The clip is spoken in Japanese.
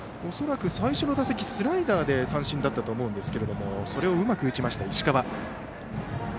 恐らく最初の打席スライダーで三振だったと思いますがそれをうまく打ちました。